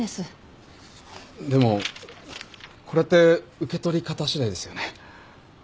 でもこれって受け取り方しだいですよね。